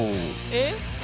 えっ！